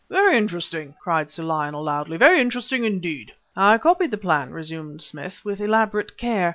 "Very interesting!" cried sir Lionel loudly; "very interesting indeed." "I copied the plan," resumed Smith, "with elaborate care.